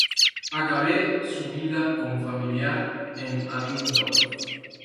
Acabe su vida con familiar, en Abingdon.